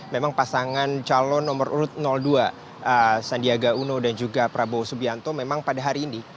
memang pasangan calon nomor urut dua sandiaga uno dan juga prabowo subianto memang pada hari ini